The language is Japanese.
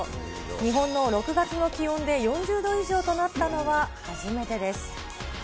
日本の６月の気温で４０度以上となったのは初めてです。